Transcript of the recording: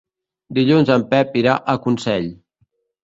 Dilluns en Pep irà a Consell.